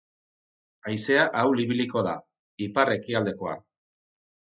Haizea ahul ibiliko da, ipar-ekialdekoa.